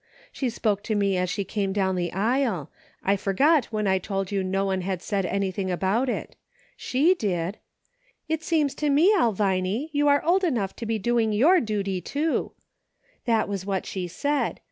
She spoke to me as she came down the aisle. I forgot when I told you no one had said anything ' about it. She did. * It seems to me, Elviny, you are old enough to be doing your dooty too.' That was what she said.